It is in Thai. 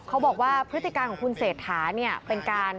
เขาบอกว่าพฤติการของคุณเสถาเป็นการ